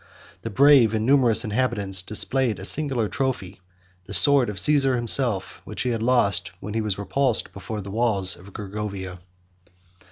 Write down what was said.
The brave and numerous inhabitants displayed a singular trophy; the sword of Caesar himself, which he had lost when he was repulsed before the walls of Gergovia.